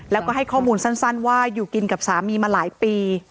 แล้วก็ให้ข้อมูลสั้นว่าอยู่กินกับสามีมาหลายปี